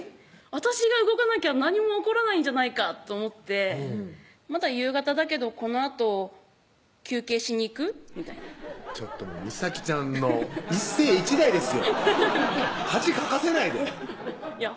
私が動かなきゃ何も起こらないんじゃないかと思って「まだ夕方だけどこのあと休憩しに行く？」みたいなちょっと美咲ちゃんの一世一代ですよ恥かかせないでいや